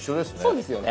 そうですよね。